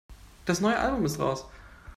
Das neue Album ist raus.